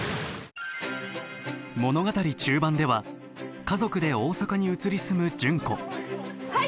物語中盤では家族で大阪に移り住む純子はい！